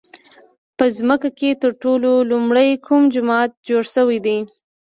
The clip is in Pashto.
په ځمکه کې تر ټولو لومړی کوم جومات جوړ شوی دی؟